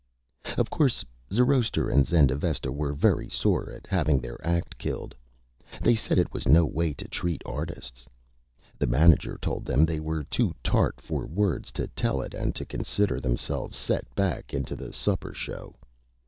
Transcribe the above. Of course Zoroaster and Zendavesta were very sore at having their Act killed. They said it was no way to treat Artists. The Manager told them they were too Tart for words to tell it and to consider Themselves set back into the Supper Show.